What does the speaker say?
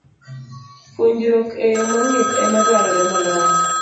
Puonjruok e yo mong'ith ema dwarore moloyo